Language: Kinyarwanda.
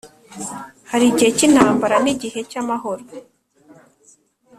Harigihe cyintambara nigihe cyamahoro